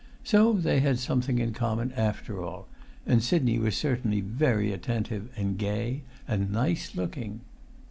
So they had something in common after all; and Sidney was certainly very attentive and gay and nice looking.